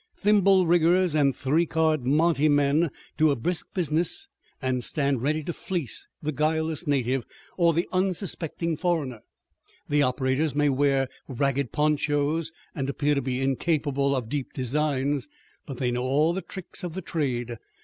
Thimble riggers and three card monte men do a brisk business and stand ready to fleece the guileless native or the unsuspecting foreigner. The operators may wear ragged ponchos and appear to be incapable of deep designs, but they know all the tricks of the trade!